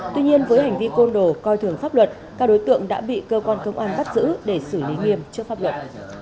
tuy nhiên với hành vi côn đồ coi thường pháp luật các đối tượng đã bị cơ quan công an bắt giữ để xử lý nghiêm trước pháp luật